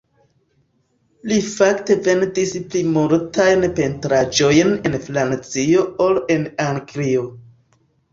Li fakte vendis pli multajn pentraĵojn en Francio ol en Anglio.